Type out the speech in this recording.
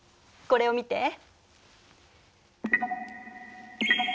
これを見て。